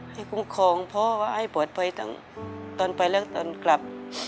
ให้คงคงพ่อให้ปลอดภัยตั้งตอนไปและตอนกลับ